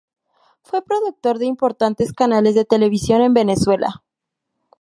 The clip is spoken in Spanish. Fue productor de importantes canales de televisión en Venezuela.